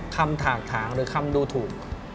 ถากถางหรือคำดูถูก